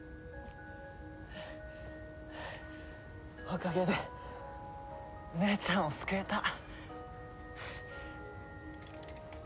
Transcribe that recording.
おかげで姉ちゃんを救えた。